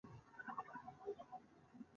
د ژوند هغه پړاو نور پای ته ورسېد.